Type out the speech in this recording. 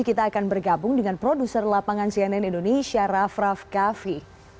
kita akan bergabung dengan produser lapangan cnn indonesia raff raff kaffi